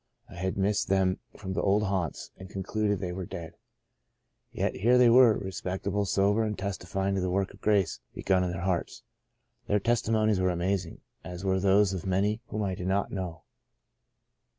I had missed them from the old haunts, and concluded they were dead. Yet here they were — respectable, sober, and testifying to the work of grace begun in their hearts. Their testimonies were amazing, as were those of many whom I did not know.